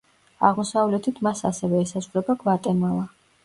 აღმოსავლეთით მას ასევე ესაზღვრება გვატემალა.